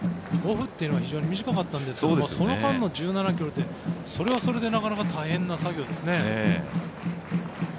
オフっていうのが非常に短かったんですがその間の１７ｋｇってそれはそれで、なかなか大変な作業ですね。